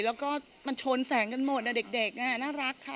แล้วก็มันชนแสงกันหมดเด็กน่ารักค่ะ